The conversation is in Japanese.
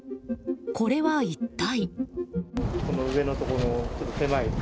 これは一体？